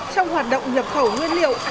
trong hoạt động nhập khẩu nguyên liệu